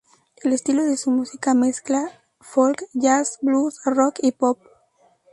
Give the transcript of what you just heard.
El estilo de su música mezcla folk, jazz, blues, rock y pop.